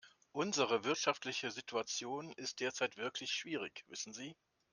Unsere wirtschaftliche Situation ist derzeit wirklich schwierig, wissen Sie.